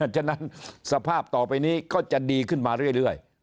ฉะนั้นสภาพต่อไปนี้ก็จะดีขึ้นมาเรื่อย